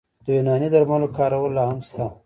د یوناني درملو کارول لا هم شته.